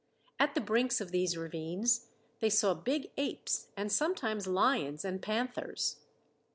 At the brinks of these ravines they saw big apes and sometimes lions and panthers.